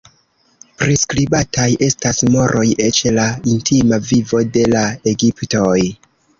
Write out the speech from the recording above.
Priskribataj estas moroj, eĉ la intima vivo de la egiptoj.